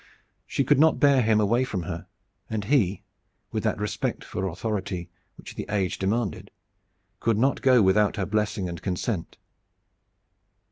She could not bear him away from her, and he, with that respect for authority which the age demanded, would not go without her blessing and consent.